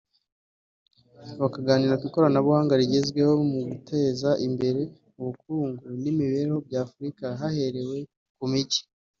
bakaganira ku ikoranabuhanga rigezweho mu guteza imbere ubukungu n’imibereho bya Afurika haherewe ku mijyi